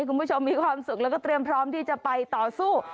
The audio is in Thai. คุณผู้ชมมีความสุขแล้วก็เตรียมพร้อมที่จะไปต่อสู้